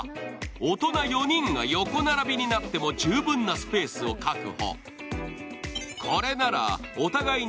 大人４人が横並びになっても十分なスペースを確保。